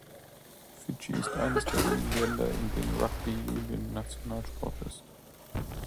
Fidschi ist eines der wenigen Länder, in denen Rugby Union Nationalsport ist.